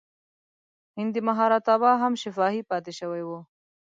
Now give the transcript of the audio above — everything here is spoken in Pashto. هندي مهابهاراتا هم شفاهي پاتې شوی و.